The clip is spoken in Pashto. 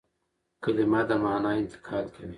کلیمه د مانا انتقال کوي.